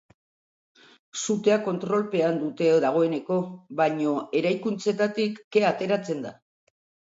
Sutea kontrolpean dute dagoeneko, baina eraikuntzetatik kea ateratzen da.